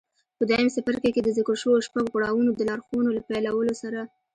په دويم څپرکي کې د ذکر شويو شپږو پړاوونو د لارښوونو له پيلولو سره.